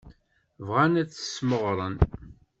Bɣan ad t-smeɣren.